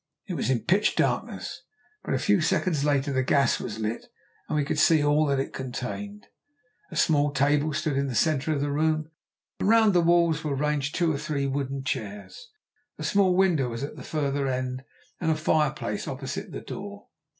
It was in pitch darkness, but a few seconds later the gas was lit and we could see all that it contained. A small table stood in the centre of the room, and round the walls were ranged two or three wooden chairs. A small window was at the further end and a fireplace opposite the door.